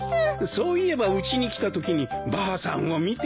そういえばうちに来たときにばあさんを見て。